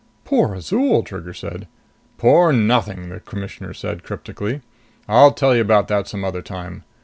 "Poor Azol!" Trigger said. "Poor nothing!" the Commissioner said cryptically. "I'll tell you about that some other time.